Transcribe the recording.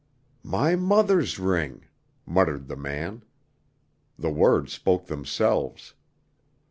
"My mother's ring," muttered the man. The words spoke themselves.